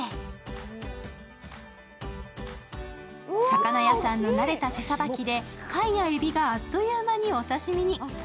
魚屋さんの慣れた手さばきで貝やえびがあっという間にお刺身に。